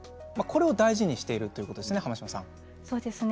これを大事にしているということですね、濱島さん。